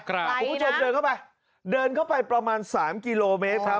คุณผู้ชมเดินเข้าไปเดินเข้าไปประมาณ๓กิโลเมตรครับ